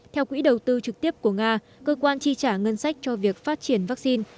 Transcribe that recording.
theo quỹ đầu tư trực tiếp của nga cơ quan chi trả ngân sách cho việc phát triển vaccine